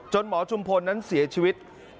หมอชุมพลนั้นเสียชีวิต